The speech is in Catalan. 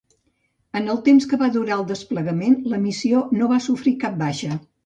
En el temps que va durar el desplegament, la missió no va sofrir cap baixa.